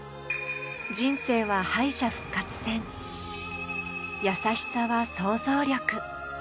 人生は敗者復活戦、優しさは想像力